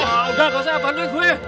eh gak usah gak usah bantuin gue